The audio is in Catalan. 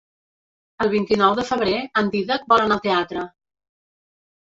El vint-i-nou de febrer en Dídac vol anar al teatre.